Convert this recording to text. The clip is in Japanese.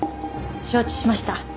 承知しました。